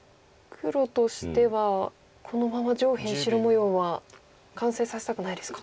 黒としてはこのまま上辺白模様は完成させたくないですか。